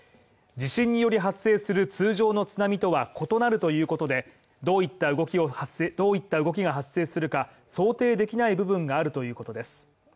地震により発生する通常の津波とは異なるということで、どういった動きが発生するか想定できない部分があるということです